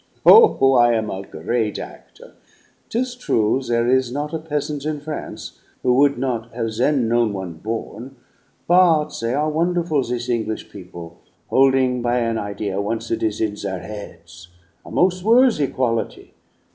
Oh, I am a great actor! 'Tis true there is not a peasant in France who would not have then known one 'born'; but they are wonderful, this English people, holding by an idea once it is in their heads a mos' worthy quality.